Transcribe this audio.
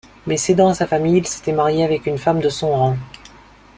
Mais cédant à sa famille il s'était marié avec une femme de son rang.